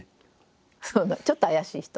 ちょっと怪しい人。